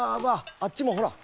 あっちもほら。